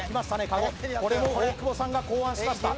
かごこれも大久保さんが考案しました